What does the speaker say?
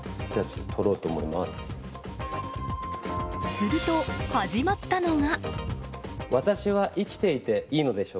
すると、始まったのが。